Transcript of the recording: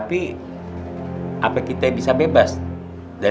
hati kita bakalan